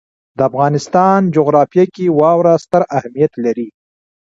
د افغانستان جغرافیه کې واوره ستر اهمیت لري.